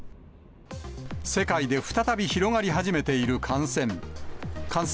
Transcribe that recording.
世界で再び広がり始めている感染。